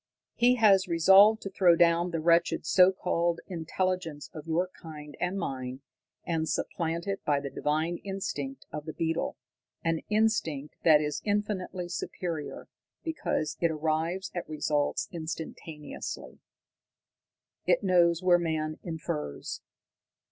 "He has resolved to throw down the wretched so called intelligence of your kind and mine, and supplant it by the divine instinct of the beetle, an instinct that is infinitely superior, because it arrives at results instantaneously. It knows where man infers.